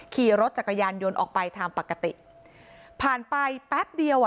ขี่รถจักรยานยนต์ออกไปทางปกติผ่านไปแป๊บเดียวอ่ะ